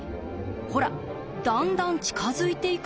ほらだんだん近づいていくと。